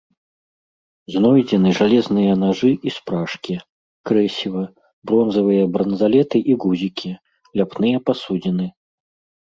Знойдзены жалезныя нажы і спражкі, крэсіва, бронзавыя бранзалеты і гузікі, ляпныя пасудзіны.